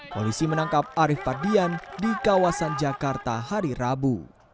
polisi menangkap arief fardian di kawasan jakarta hari rabu